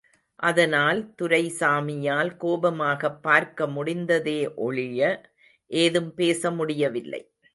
அதனால், துரைசாமியால் கோபமாகப் பார்க்கமுடிந்ததே ஒழிய, ஏதும் பேச முடியவில்லை.